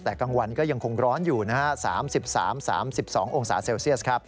แต่กลางวันก็ยังคงร้อนอยู่นะฮะ๓๓๒องศาเซลเซียสครับ